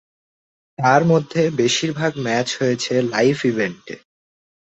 তার মধ্যে বেশিরভাগ ম্যাচ হয়েছে লাইভ ইভেন্টে।